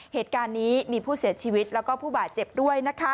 เหตุการณ์นี้มีผู้เสียชีวิตแล้วก็ผู้บาดเจ็บด้วยนะคะ